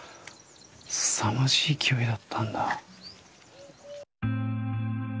すさまじい勢いだったんだ。